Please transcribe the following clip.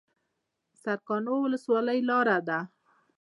سرکانو ولسوالۍ لاره ده؟